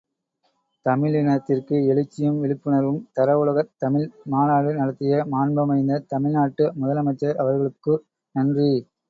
தமிழினத்திற்கு எழுச்சியும் விழிப்புணர்வும் தர உலகத் தமிழ் மாநாடு நடத்திய மாண்பமைந்த தமிழ்நாட்டு முதலமைச்சர் அவர்களுக்கு நன்றி!